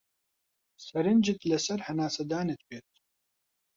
سەرنجت لەسەر هەناسەدانت بێت.